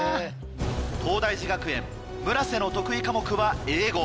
東大寺学園村瀬の得意科目は英語。